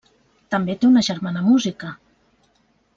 També té una germana música.